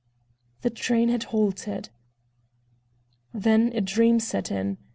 The train had halted. Then a dream set in.